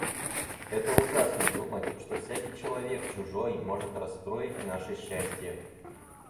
Это ужасно думать, что всякий человек чужой может расстроить наше счастье.